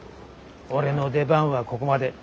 俺の出番はここまで。